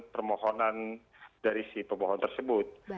permohonan dari si pemohon tersebut